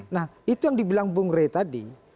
nah itu yang dibilang bung rey tadi